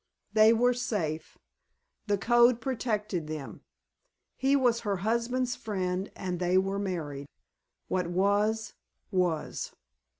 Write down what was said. They were safe. The code protected them. He was her husband's friend and they were married. What was, was.